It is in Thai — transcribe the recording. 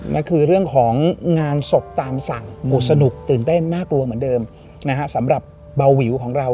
นั่นคือเรื่องของงานศพตามสั่งสนุกตื่นเต้นน่ากลัวเหมือนเดิมนะฮะสำหรับเบาวิวของเรา